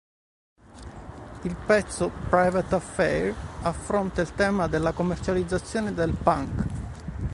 Il pezzo "Private Affair" affronta il tema della commercializzazione del punk.